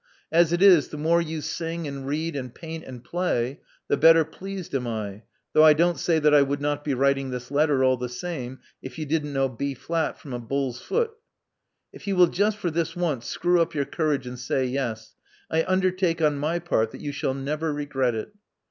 As it is, the more you sing and read and paint and play, the better pleased am I, though I don't say that I would not be writing this letter all the same if you didn't know B flat from a bull's foot. If you will just for this once screw up your courage and say yes, I undertake on my part that you shall never regret it.